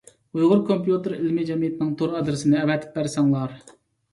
ئۇيغۇر كومپيۇتېر ئىلمى جەمئىيىتىنىڭ تور ئادرېسىنى ئەۋەتىپ بەرسەڭلار.